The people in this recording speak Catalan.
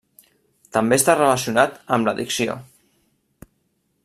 També està relacionat amb l'addicció.